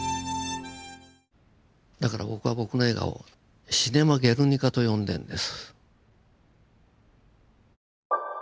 だから僕は僕の映画を「シネマ・ゲルニカ」と呼んでんです。